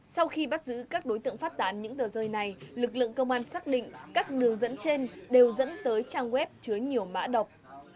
sau khi bắt giữ các đối tượng phát tán những tờ rơi này lực lượng công an xác định các đường dẫn trên đều dẫn tới trang web chứa nhiều mã độc